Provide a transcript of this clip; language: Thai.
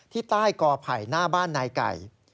ที่ใต้กอไผ่หน้าบ้านนายไก่